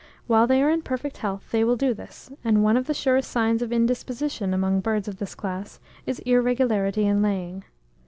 While they are in perfect health, they will do this; and one of the surest signs of indisposition, among birds of this class, is irregularity in laying.